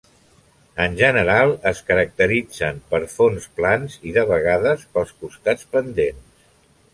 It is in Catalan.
En general, es caracteritzen per fons plans i, de vegades, pels costats pendents.